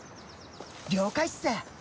了解っす！